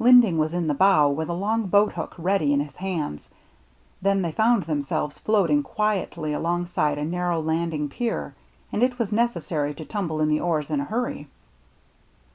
Linding was in the bow with a long boat hook ready in his hands. Then they found themselves floating quietly along side a narrow landing pier, and it was neces sary to tumble in the oars in a hurry.